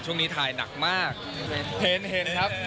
ช่วงนี้ถ่ายหนักมากเห็นเห็นครับ